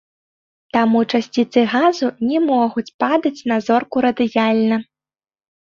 Таму часціцы газу не могуць падаць на зорку радыяльна.